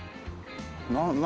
何？